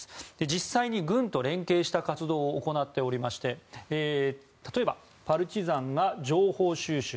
実際に軍と連携した活動を行っておりまして例えば、パルチザンが情報収集